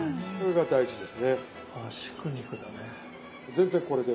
全然これで。